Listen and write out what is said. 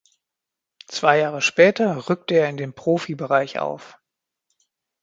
Zwei Jahre später rückte er in den Profibereich auf.